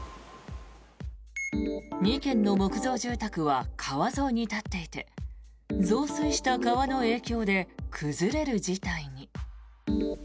２軒の木造住宅は川沿いに立っていて増水した川の影響で崩れる事態に。